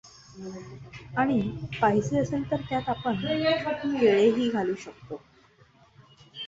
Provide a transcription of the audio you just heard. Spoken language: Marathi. आणि पाहिजे असेल तर त्यात आपण केळेही घालू शकतो.